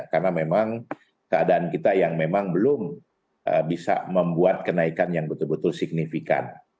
karena memang keadaan kita yang memang belum bisa membuat kenaikan yang betul betul signifikan